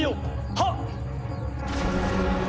はっ！